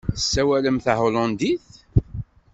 Tessawalem tahulandit?